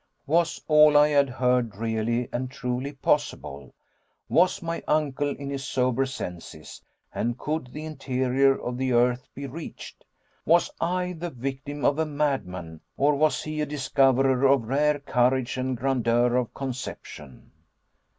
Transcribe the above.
Was all I had heard really and truly possible? Was my uncle in his sober senses, and could the interior of the earth be reached? Was I the victim of a madman, or was he a discoverer of rare courage and grandeur of conception?